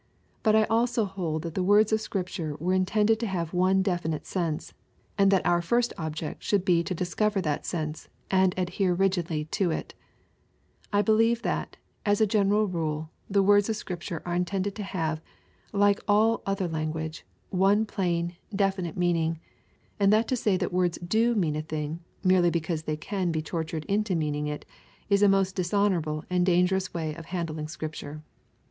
But I also hold that the words of Scripture were intended to have one definite sense, and that our first object should be to discover that sense, and adhere rigidly to it I believe that^ as a general rule, the words of Scripture are intended to have, like all other language, one plain, definite meaning, and that to say that words do mean a thing, merely because they can be tortured into meaning it, is a most dishonorable and dangerous way of handling Scripture.